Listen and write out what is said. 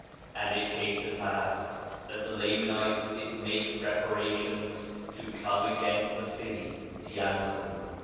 4:6 And it came to pass that the Lamanites did make preparations to come against the city Teancum.